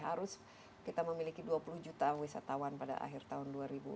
harus kita memiliki dua puluh juta wisatawan pada akhir tahun dua ribu dua puluh